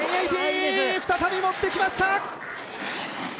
１０８０再び持ってきました！